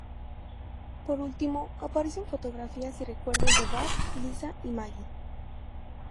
Por último, aparecen fotografías y recuerdos de Bart, Lisa y Maggie.